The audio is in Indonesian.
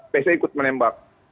pc ikut menembak